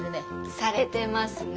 されてますね。